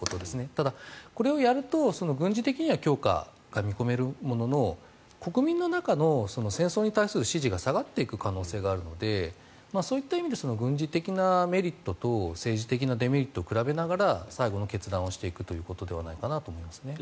ただ、これをやると軍事的には強化が見込めるものの国民の中の戦争に対する支持が下がっていく可能性があるのでそういった意味で軍事的なメリットと政治的なデメリットを比べながら最後の決断をしていくのではないかということですね。